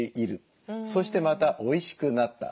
そしてまたおいしくなった。